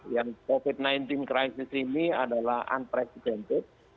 yang covid sembilan belas krisis ini adalah unpresidented